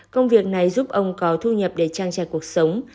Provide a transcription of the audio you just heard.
công việc này giúp ông có thu nhập để trang trải cuộc sống